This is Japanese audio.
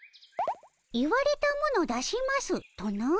「言われたもの出します」とな？